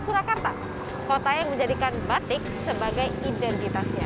surakarta kota yang menjadikan batik sebagai identitasnya